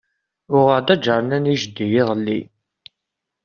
Uɣeɣ-d aǧarnan i jeddi iḍelli.